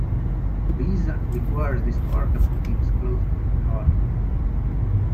Visa requires this markup be disclosed to the cardholder.